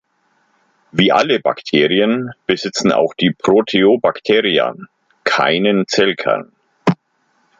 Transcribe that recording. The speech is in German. Wie alle Bakterien besitzen auch die Proteobacteria keinen Zellkern.